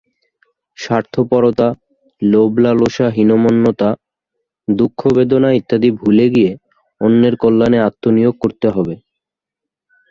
স্বার্থপরতা, লোভ-লালসা-হীনম্মন্যতা, দুঃখ-বেদনা ইত্যাদি ভুলে গিয়ে অন্যের কল্যাণে আত্মনিয়োগ করতে হবে।